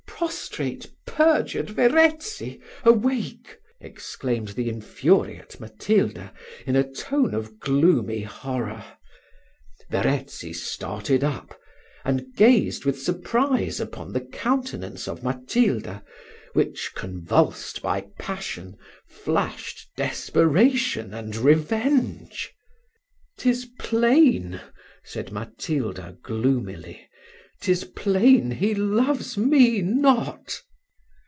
prostrate, perjured Verezzi, awake!" exclaimed the infuriate Matilda, in a tone of gloomy horror. Verezzi started up, and gazed with surprise upon the countenance of Matilda, which, convulsed by passion, flashed desperation and revenge. "'Tis plain," said Matilda, gloomily, "'tis plain, he loves me not."